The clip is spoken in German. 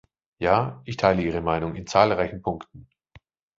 Ja, ich teile Ihre Meinung in zahlreichen Punkten.